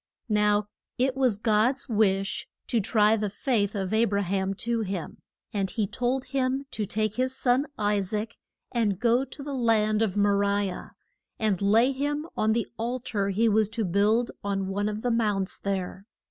Now it was God's wish to try the faith of A bra ham to him. And he told him to take his son, I saac, and go to the land of Mo ri ah, and lay him on the al tar he was to build on one of the mounts there.